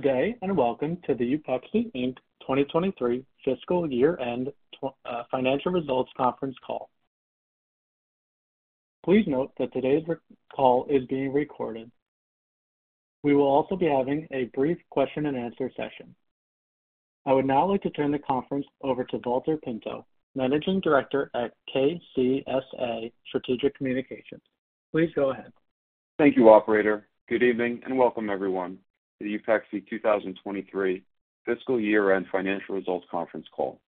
Good day, and welcome to the Upexi Inc. 2023 Fiscal Year-End Financial Results Conference Call. Please note that today's call is being recorded. We will also be having a brief question-and-answer session. I would now like to turn the conference over to Valter Pinto; Managing Director at KCSA Strategic Communications. Please go ahead. Thank you, operator. Good evening, and welcome everyone to the Upexi 2023 Fiscal Year-End Financial Results Conference Call.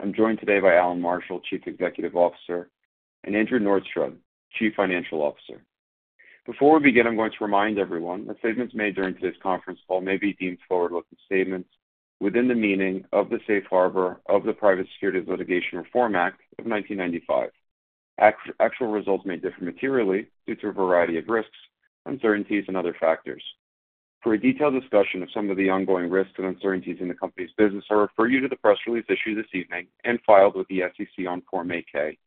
I'm joined today by Allan Marshall; Chief Executive Officer, and Andrew Norstrud; Chief Financial Officer. Before we begin, I'm going to remind everyone that statements made during today's conference call may be deemed forward-looking statements within the meaning of the Safe Harbor of the Private Securities Litigation Reform Act of 1995. Act. Actual results may differ materially due to a variety of risks, uncertainties, and other factors. For a detailed discussion of some of the ongoing risks and uncertainties in the company's business, I refer you to the press release issued this evening and filed with the SEC on Form 8-K,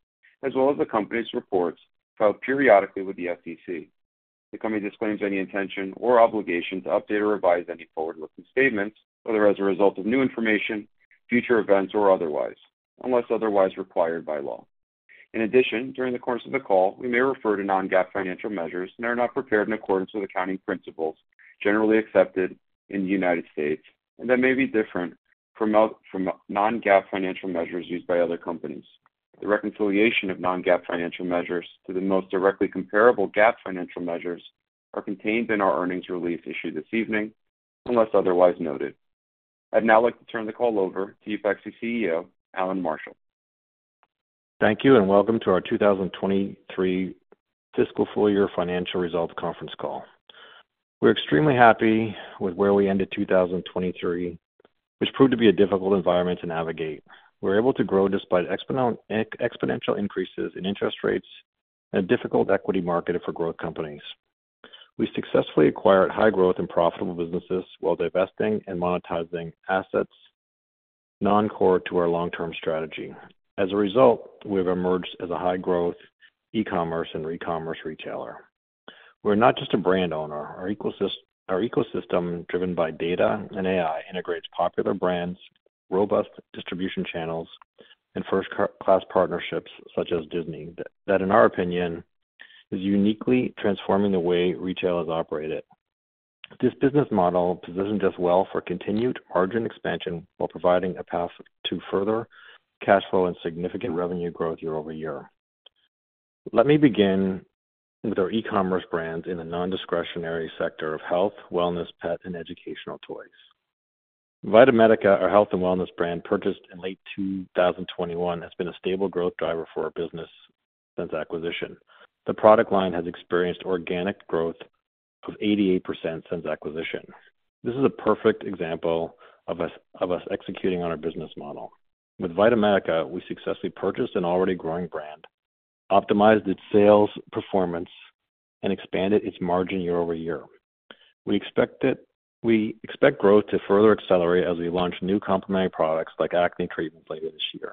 as well as the company's reports filed periodically with the SEC. The company disclaims any intention or obligation to update or revise any forward-looking statements, whether as a result of new information, future events, or otherwise, unless otherwise required by law. In addition, during the course of the call, we may refer to non-GAAP financial measures that are not prepared in accordance with accounting principles generally accepted in the United States, and that may be different from from non-GAAP financial measures used by other companies. The reconciliation of non-GAAP financial measures to the most directly comparable GAAP financial measures are contained in our earnings release issued this evening, unless otherwise noted. I'd now like to turn the call over to Upexi CEO, Allan Marshall. Thank you, and welcome to our 2023 Fiscal Full Year Financial Results Conference Call. We're extremely happy with where we ended 2023, which proved to be a difficult environment to navigate. We were able to grow despite exponential increases in interest rates and a difficult equity market for growth companies. We successfully acquired high-growth and profitable businesses while divesting and monetizing assets non-core to our long-term strategy. As a result, we have emerged as a high-growth e-commerce and recommerce retailer. We're not just a brand owner. Our ecosystem, driven by data and AI, integrates popular brands, robust distribution channels, and first-class partnerships such as Disney, that, in our opinion, is uniquely transforming the way retail is operated. This business model positions us well for continued margin expansion while providing a path to further cash flow and significant revenue growth year over year. Let me begin with our e-commerce brands in the non-discretionary sector of health, wellness, pet, and educational toys. VitaMedica, our health and wellness brand, purchased in late 2021, has been a stable growth driver for our business since acquisition. The product line has experienced organic growth of 88% since acquisition. This is a perfect example of us executing on our business model. With VitaMedica, we successfully purchased an already growing brand, optimized its sales performance, and expanded its margin year over year. We expect growth to further accelerate as we launch new complementary products like acne treatments later this year.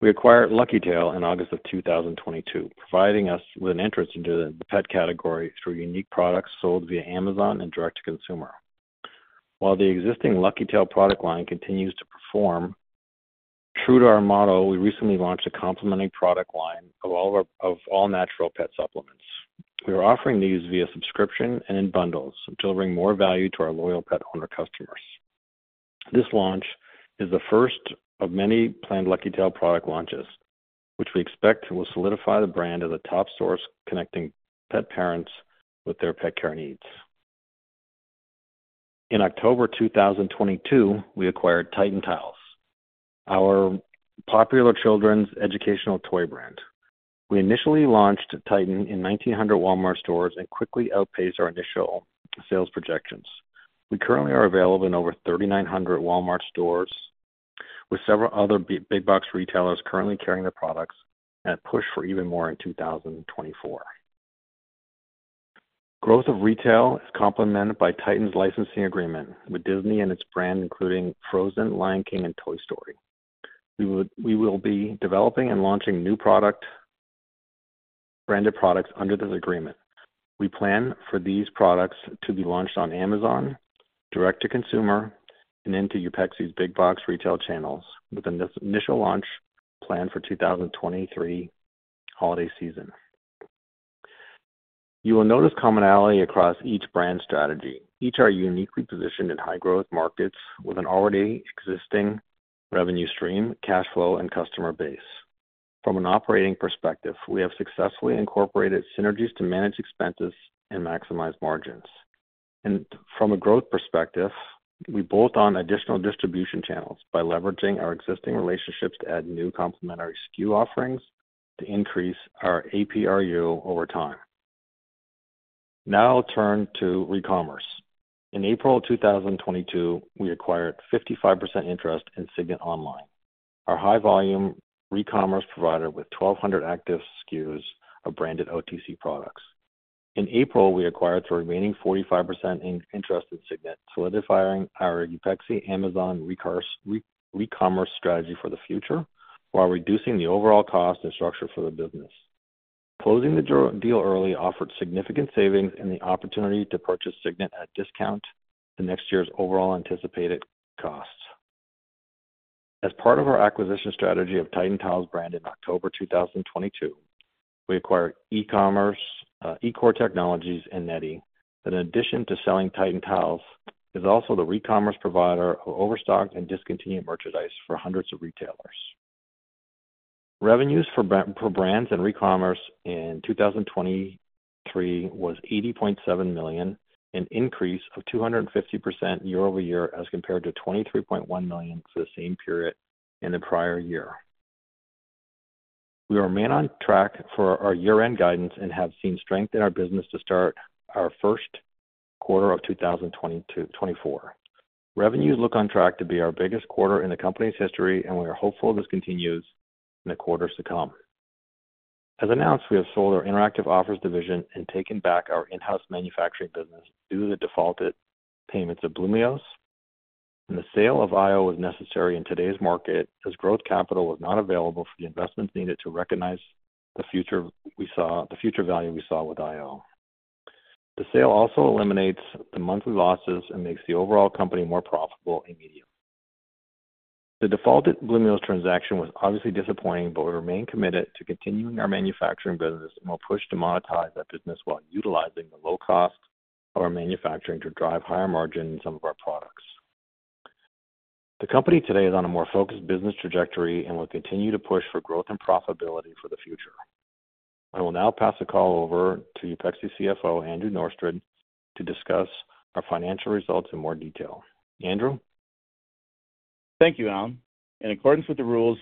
We acquired LuckyTail in August 2022, providing us with an interest into the pet category through unique products sold via Amazon and direct to consumerscurrently. While the existing LuckyTail product line continues to perform, true to our model, we recently launched a complementary product line of all-natural pet supplements. We are offering these via subscription and in bundles, delivering more value to our loyal pet owner customers. This launch is the first of many planned LuckyTail product launches, which we expect will solidify the brand as a top source connecting pet parents with their pet care needs. In October 2022, we acquired Tytan Tiles, our popular children's educational toy brand. We initially launched Tytan in 1,900 Walmart stores and quickly outpaced our initial sales projections. We currently are available in over 3,900 Walmart stores, with several other big box retailers currently carrying the products, and a push for even more in 2024. Growth of retail is complemented by Tytan's licensing agreement with Disney and its brands, including Frozen, Lion King, and Toy Story. We will be developing and launching new branded products under this agreement. We plan for these products to be launched on Amazon, direct to consumer, and into Upexi's big box retail channels, with the initial launch planned for the 2023 holiday season. You will notice commonality across each brand strategy. Each are uniquely positioned in high-growth markets with an already existing revenue stream, cash flow, and customer base. From an operating perspective, we have successfully incorporated synergies to manage expenses and maximize margins. From a growth perspective, we bolt on additional distribution channels by leveraging our existing relationships to add new complementary SKU offerings to increase our ARPU over time. Now I'll turn to recommerce. In April 2022, we acquired 55% interest in Cygnet Online, our high-volume recommerce provider with 1,200 active SKUs of branded OTC products. In April, we acquired the remaining 45% interest in Cygnet, solidifying our Upexi Amazon re-commerce strategy for the future, while reducing the overall cost and structure for the business... Closing the deal early offered significant savings and the opportunity to purchase Cygnet at a discount to next year's overall anticipated costs. As part of our acquisition strategy of Tytan Tiles brand, in October 2022, we acquired e-commerce E-Core Technology and NETi. That in addition to selling Tytan Tiles, is also the recommerce provider for overstocked and discontinued merchandise for hundreds of retailers. Revenues for brands and recommerce in 2023 was $80.7 million, an increase of 250% year-over-year as compared to $23.1 million for the same period in the prior year. We remain on track for our year-end guidance and have seen strength in our business to start our first quarter of 2024. Revenues look on track to be our biggest quarter in the company's history, and we are hopeful this continues in the quarters to come. As announced, we have sold our Interactive Offers division and taken back our in-house manufacturing business due to the defaulted payments of Bloomios. The sale of IO was necessary in today's market, as growth capital was not available for the investments needed to recognize the future we saw, the future value we saw with IO. The sale also eliminates the monthly losses and makes the overall company more profitable immediately. The defaulted Bloomios transaction was obviously disappointing, but we remain committed to continuing our manufacturing business and we'll push to monetize that business while utilizing the low cost of our manufacturing to drive higher margin in some of our products. The company today is on a more focused business trajectory and will continue to push for growth and profitability for the future. I will now pass the call over to Upexi CFO, Andrew Norstrud, to discuss our financial results in more detail. Andrew? Thank you, Allan. In accordance with the rules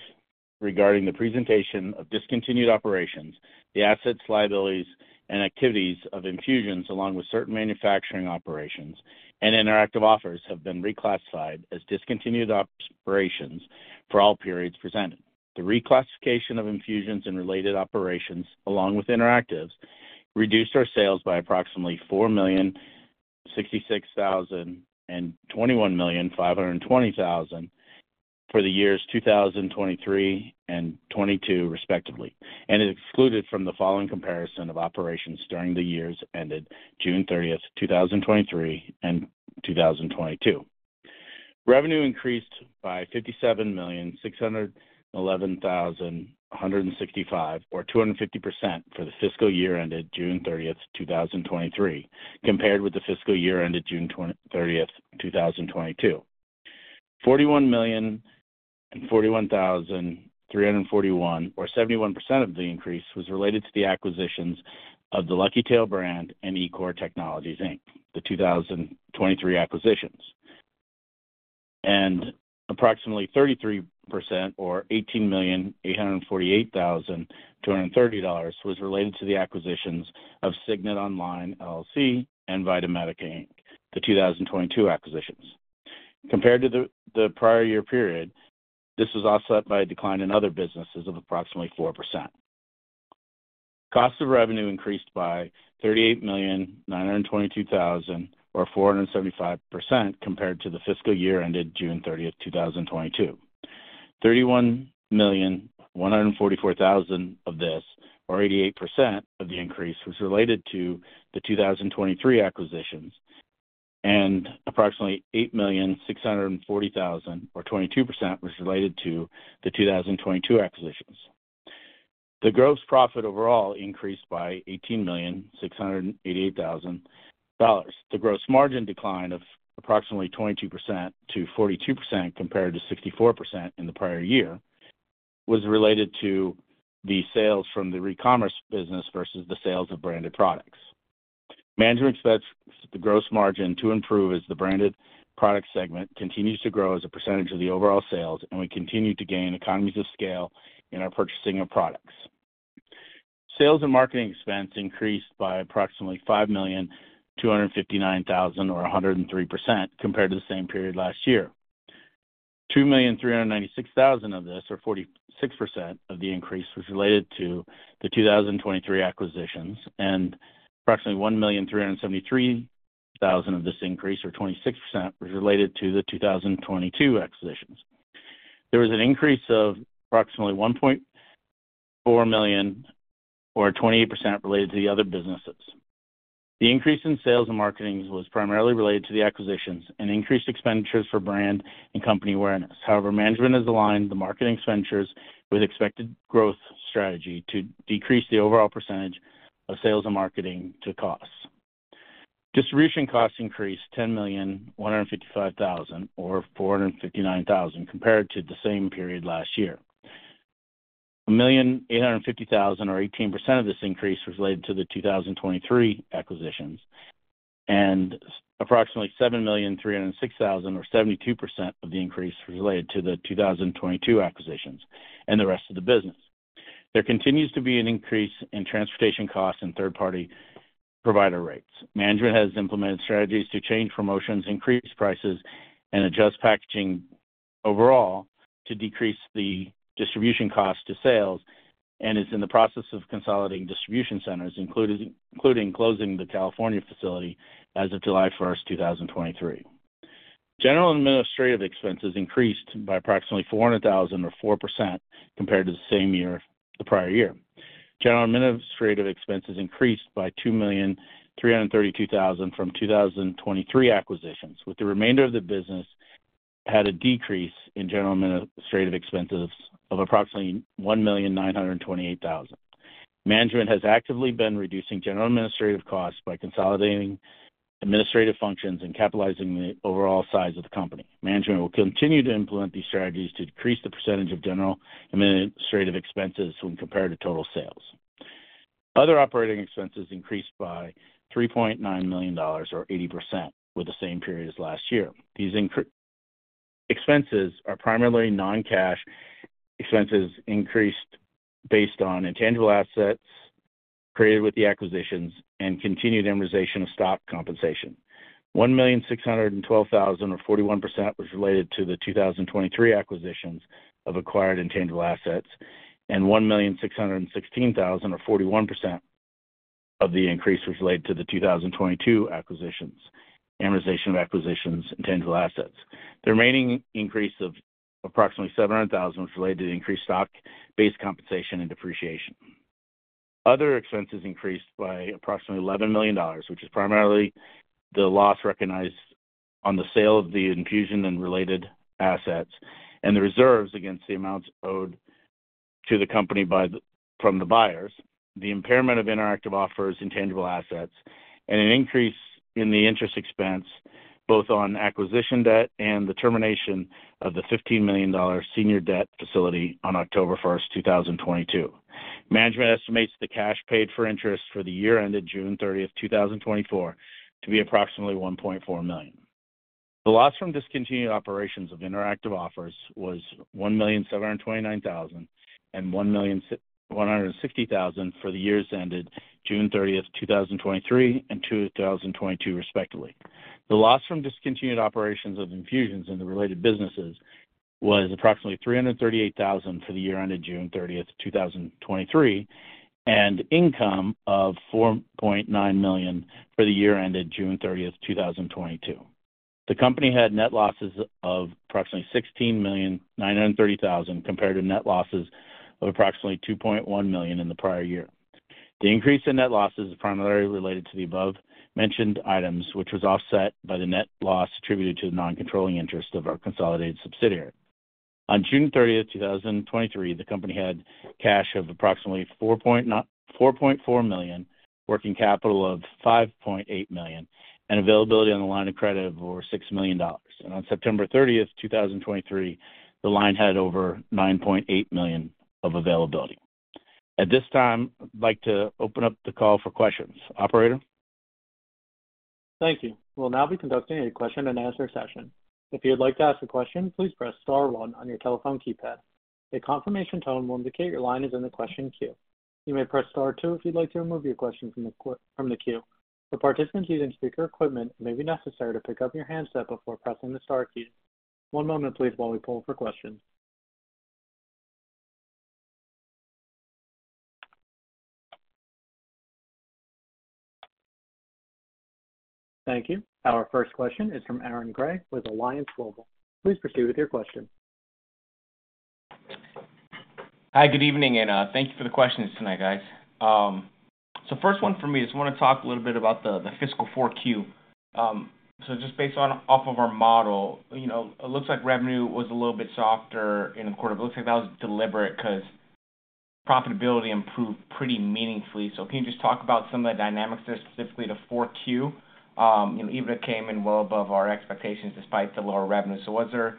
regarding the presentation of discontinued operations, the assets, liabilities, and activities of Infusions, along with certain manufacturing operations and Interactive Offers, have been reclassified as discontinued operations for all periods presented. The reclassification of Infusions and related operations, along with Interactive Offers, reduced our sales by approximately $4,066,000 and $21,520,000 for the years 2023 and 2022, respectively, and is excluded from the following comparison of operations during the years ended June 30th, 2023, and 2022. Revenue increased by $57,611,165, or 250% for the fiscal year ended June 30th, 2023, compared with the fiscal year ended June 30, 2022. $41,041,341, or 71% of the increase, was related to the acquisitions of the LuckyTail brand and E-Core Technology, Inc., the 2023. Approximately 33%, or $18,848,230, was related to the acquisitions of Cygnet Online, LLC, and VitaMedica, Inc., the 2022 acquisitions. Compared to the prior year period, this was offset by a decline in other businesses of approximately 4%. Cost of revenue increased by $38,922,000, or 475%, compared to the fiscal year ended June 30th, 2022. $31,144,000 of this, or 88% of the increase, was related to the 2023 acquisitions, and approximately $8,640,000, or 22%, was related to the 2022 acquisitions. The gross profit overall increased by $18,688,000. The gross margin decline of approximately 22% to 42%, compared to 64% in the prior year, was related to the sales from the recommerce business versus the sales of branded products. Management expects the gross margin to improve as the branded product segment continues to grow as a percentage of the overall sales, and we continue to gain economies of scale in our purchasing of products. Sales and marketing expenses increased by approximately $5.259 million or 103% compared to the same period last year. $2.396 million of this, or 46% of the increase, was related to the 2023 acquisitions, and approximately $1.373 million of this increase, or 26%, was related to the 2022 acquisitions. There was an increase of approximately $1.4 million, or 28%, related to the other businesses. The increase in sales and marketing was primarily related to the acquisitions and increased expenditures for brand and company awareness. However, management has aligned the marketing expenditures with the expected growth strategy to decrease the overall percentage of sales and marketing to costs. Distribution costs increased $10,155,000, or $459,000 compared to the same period last year. $1,850,000, or 18% of this increase, was related to the 2023 acquisitions, and approximately $7,306,000, or 72% of the increase, was related to the 2022 acquisitions and the rest of the business. There continues to be an increase in transportation costs and third-party provider rates. Management has implemented strategies to change promotions, increase prices, and adjust packaging overall to decrease the distribution costs to sales, and is in the process of consolidating distribution centers, including closing the California facility as of July 1st,, 2023. General and administrative expenses increased by approximately $400,000 or 4% compared to the same year, the prior year. General administrative expenses increased by $2,332,000 from 2023 acquisitions, with the remainder of the business had a decrease in general administrative expenses of approximately $1,928,000. Management has actively been reducing general administrative costs by consolidating administrative functions and capitalizing the overall size of the company. Management will continue to implement these strategies to decrease the percentage of general administrative expenses when compared to total sales. Other operating expenses increased by $3.9 million, or 80%, with the same period as last year. These increased expenses are primarily non-cash expenses, increased based on intangible assets created with the acquisitions and continued amortization of stock compensation. 1,612,000, or 41%, was related to the 2023 acquisitions of acquired intangible assets, and 1,616,000, or 41% of the increase, was related to the 2022 acquisitions, amortization of acquisitions, intangible assets. The remaining increase of approximately 700,000 was related to increased stock-based compensation and depreciation. Other expenses increased by approximately $11 million, which is primarily the loss recognized on the sale of the Infusions and related assets and the reserves against the amounts owed to the company by the, from the buyers, the impairment of Interactive Offers, intangible assets, and an increase in the interest expense, both on acquisition debt and the termination of the $15 million senior debt facility on October 1, 2022. Management estimates the cash paid for interest for the year ended June 30, 2024, to be approximately $1.4 million. The loss from discontinued operations of Interactive Offers was $1,729,000 and $1,160,000 for the years ended June 30th, 2023 and 2022, respectively. The loss from discontinued operations of Infusions in the related businesses was approximately $338,000 for the year ended June 30th, 2023, and income of $4.9 million for the year ended June 30th, 2022. The company had net losses of approximately $16,930,000, compared to net losses of approximately $2.1 million in the prior year. The increase in net losses is primarily related to the above-mentioned items, which was offset by the net loss attributed to the non-controlling interest of our consolidated subsidiary. On June 30th, 2023, the company had cash of approximately $4.4 million, working capital of $5.8 million, and availability on the line of credit of over $6 million. On September 30th, 2023, the line had over $9.8 million of availability. At this time, I'd like to open up the call for questions. Operator? Thank you. We'll now be conducting a question and answer session. If you'd like to ask a question, please press star one on your telephone keypad. A confirmation tone will indicate your line is in the question queue. You may press Star two if you'd like to remove your question from the queue. For participants using speaker equipment, it may be necessary to pick up your handset before pressing the star key. One moment, please, while we pull for questions. Thank you. Our first question is from Aaron Grey with Alliance Global Partners. Please proceed with your question. Hi, good evening, and thank you for the questions tonight, guys. So first one for me, just want to talk a little bit about the fiscal four Q. So just based on, off of our model, you know, it looks like revenue was a little bit softer in the quarter. It looks like that was deliberate because profitability improved pretty meaningfully. So can you just talk about some of the dynamics there, specifically the fourth Q? You know, even it came in well above our expectations, despite the lower revenue. So was there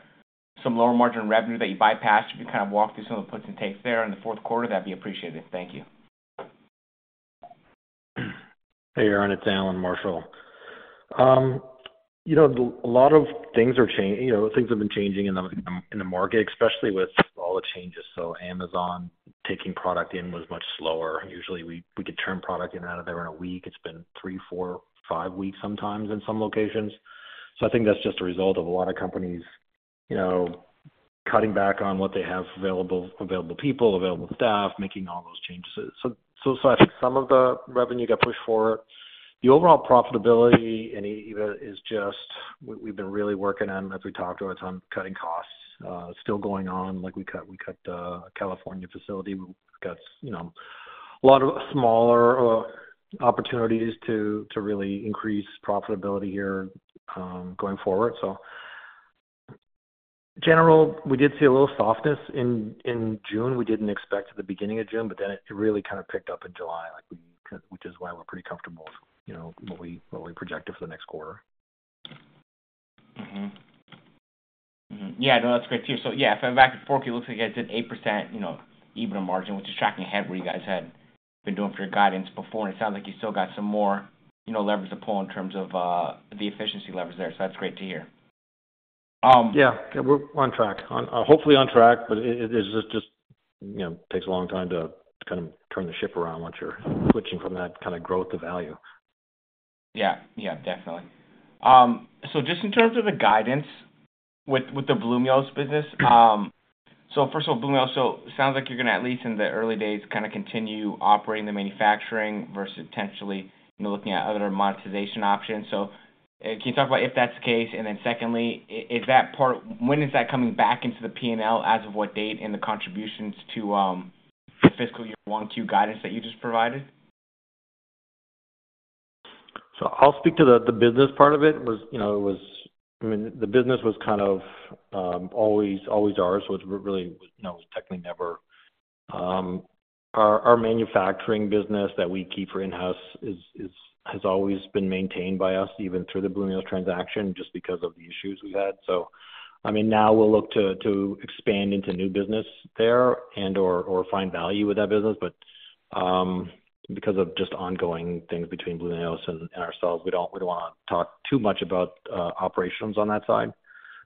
some lower margin revenue that you bypassed? If you kind of walk through some of the puts and takes there in the fourth quarter, that'd be appreciated. Thank you. Hey, Aaron, it's Allan Marshall. You know, a lot of things are changing. You know, things have been changing in the market, especially with all the changes. So Amazon taking product in was much slower. Usually, we could turn products in and out of there in a week. It's been three, four, five weeks, sometimes in some locations. So I think that's just a result of a lot of companies, you know, cutting back on what they have available, people, staff, making all those changes. So I think some of the revenue got pushed forward. The overall profitability and EVA is just... We've been really working on, as we talked about, on cutting costs. Still going on. Like, we cut the California facility. We got, you know, a lot of smaller opportunities to really increase profitability here going forward. So general, we did see a little softness in June. We didn't expect at the beginning of June, but then it really kind of picked up in July, like we, which is why we're pretty comfortable, you know, what we projected for the next quarter. Yeah, no, that's great to hear. So yeah, if I'm back in Q4, it looks like I did 8%, you know, EBITDA margin, which is tracking ahead, where you guys had been doing for your guidance before. And it sounds like you still got some more, you know, levers to pull in terms of the efficiency levers there. So that's great to hear. Yeah, we're on track. Hopefully on track, but it is just, you know, takes a long time to kind of turn the ship around once you're switching from that kind of growth to value. Yeah, definitely. So just in terms of the guidance. With the Blue Mills business. So first of all, Blue Mills, so it sounds like you're going to, at least in the early days, kind of continue operating the manufacturing versus potentially looking at other monetization options. So can you talk about if that's the case? And then secondly, is that part, when is that coming back into the P&L, as of what date, and the contributions to the fiscal year one, two guidance that you just provided? So I'll speak to the business part of it. It was, you know, it was, I mean, the business was kind of always ours, which really was technically never. Our manufacturing business that we keep for in-house is has always been maintained by us, even through the Blue Mills transaction, just because of the issues we had. So, I mean, now we'll look to expand into new business there and or find value with that business. But because of just ongoing things between Blue Mills and ourselves, we don't really want to talk too much about operations on that side.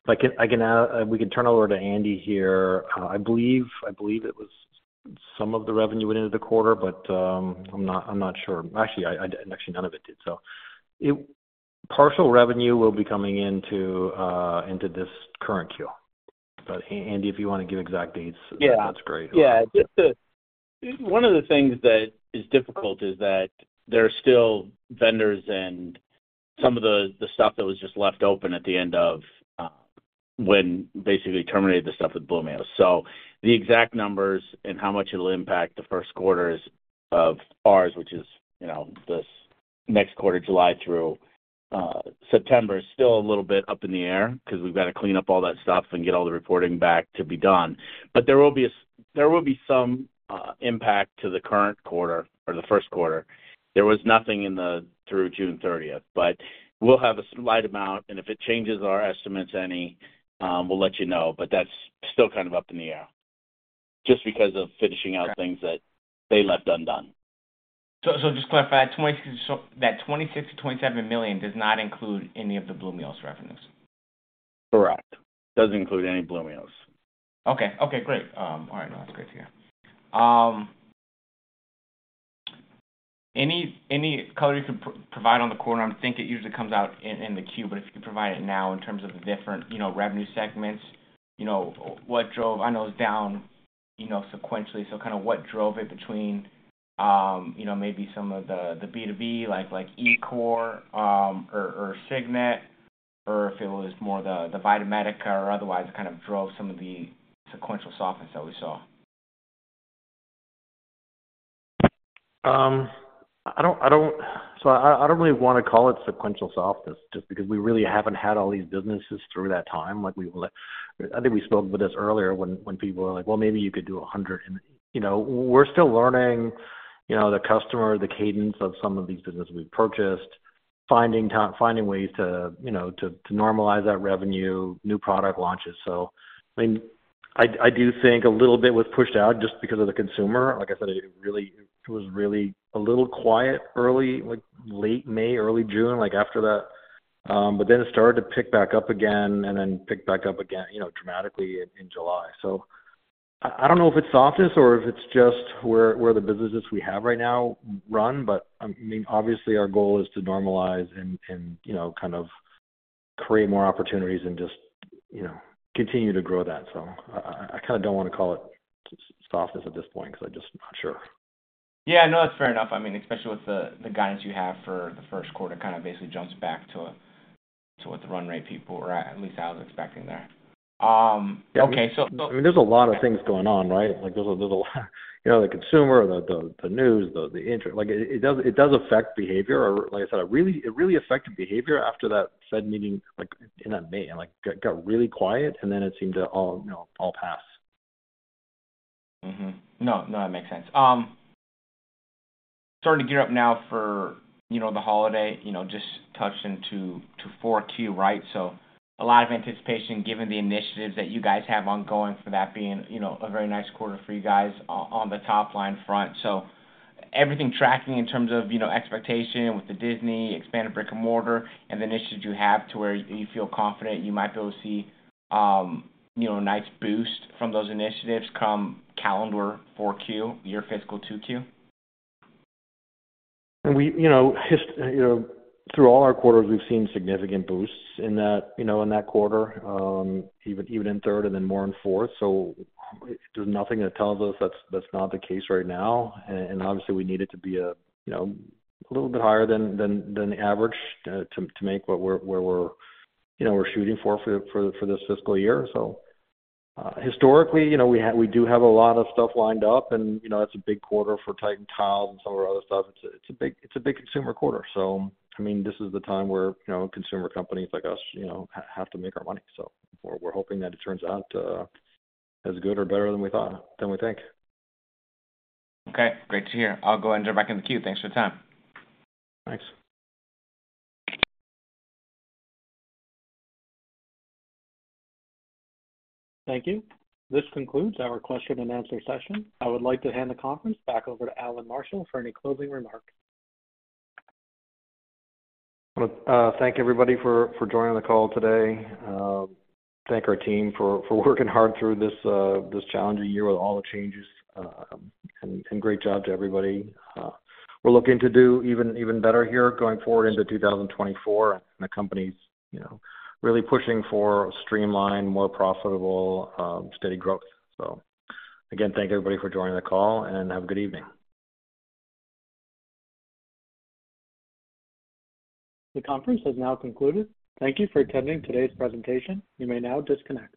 But I can we can turn over to Andy here. I believe it was some of the revenue went into the quarter, but I'm not sure. Actually, actually none of it did. So partial revenue will be coming into, into this current Q. But Andy, if you want to give exact dates, that's great. Yeah. One of the things that is difficult is that there are still vendors and some of the stuff that was just left open at the end of when basically terminated the stuff with Blue Mills. So the exact numbers and how much it'll impact the first quarter of ours, which is, you know, this next quarter, July through September, is still a little bit up in the air because we've got to clean up all that stuff and get all the reporting back to be done. But there will be some impact to the current quarter or the first quarter. There was nothing in the through June 30th, but we'll have a slight amount, and if it changes our estimates any, we'll let you know, but that's still kind of up in the air just because of finishing out things that they left undone. So, just to clarify, that $26 -27 million does not include any of the Blue Mills revenues? Correct. Doesn't include any Blue Mills. Okay, great. All right, that's great to hear. Any color you can provide on the quarter? I think it usually comes out in the Q, but if you could provide it now in terms of the different, you know, revenue segments, you know, what drove, I know it's down, you know, sequentially, so kind of what drove it between, you know, maybe some of the B2B, like E-Core, or Cygnet, or if it was more the VitaMedica or otherwise, kind of drove some of the sequential softness that we saw. I don't really want to call it sequential softness, just because we really haven't had all these businesses through that time. Like, we've let—I think we spoke about this earlier when people were like, "Well, maybe you could do 100..." And, you know, we're still learning, you know, the customer, the cadence of some of these businesses we've purchased, finding time, finding ways to, you know, to normalize that revenue, new product launches. So, I mean, I do think a little bit was pushed out just because of the consumer. Like I said, it was really a little quiet early, like, late May, early June, like, after that. But then it started to pick back up again and then pick back up again, you know, dramatically in July. So I don't know if it's softness or if it's just where the businesses we have right now run, but I mean, obviously our goal is to normalize and you know, kind of create more opportunities and just you know, continue to grow that. So I kind of don't want to call it softness at this point because I'm just not sure. Yeah, no, that's fair enough. I mean, especially with the, the guidance you have for the first quarter, kind of basically jumps back to, to what the run rate people were at, at least I was expecting there. Okay, so- I mean, there's a lot of things going on, right? Like, there's a little, you know, the consumer, the news, the interest. Like, it does affect behavior, or like I said, it really affected behavior after that said meeting, like, in May, and, like, got really quiet, and then it seemed to all, you know, all pass. No, no, that makes sense. Starting to gear up now for, you know, the holiday, you know, just touching to fourth Q, right? So a lot of anticipation given the initiatives that you guys have ongoing for that being, you know, a very nice quarter for you guys on the top line front. So everything tracking in terms of, you know, expectation with the Disney expanded brick-and-mortar and the initiatives you have to where you feel confident you might be able to see, you know, a nice boost from those initiatives come calendar fourth Q, your fiscal 2Q? We, you know, you know, through all our quarters, we've seen significant boosts in that, you know, in that quarter, even, even in third and then more in fourth. So there's nothing that tells us that's, that's not the case right now. And obviously, we need it to be a, you know, a little bit higher than, than, than the average, to make where we're, you know, we're shooting for for, for, for this fiscal year. So, historically, you know, we do have a lot of stuff lined up, and, you know, that's a big quarter for Tytan Tiles and some of our other stuff. It's a big, it's a big consumer quarter. So, I mean, this is the time where, you know, consumer companies like us, you know, have to make our money. So we're, we're hoping that it turns out as good or better than we thought, than we think. Okay, great to hear. I'll go and jump back in the queue. Thanks for the time. Thanks. Thank you. This concludes our question and answer session. I would like to hand the conference back over to Allan Marshall for any closing remarks. Thank everybody for joining the call today. Thank our team for working hard through this challenging year with all the changes, and great job to everybody. We're looking to do even better here, going forward into 2024. The company's, you know, really pushing for streamlined, more profitable, steady growth. So again, thank everybody for joining the call, and have a good evening. The conference has now concluded. Thank you for attending today's presentation. You may now disconnect.